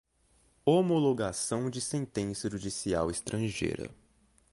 homologação de sentença judicial estrangeira